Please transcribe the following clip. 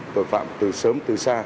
tội phạm từ sớm từ xa